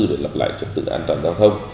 để lập lại trạm tự an toàn giao thông